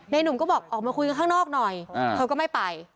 หนุ่มก็บอกออกมาคุยกันข้างนอกหน่อยเธอก็ไม่ไป